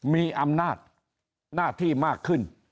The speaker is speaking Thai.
มีอำนาจหน้าที่มากขึ้น